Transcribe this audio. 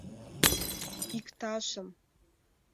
Иктажым.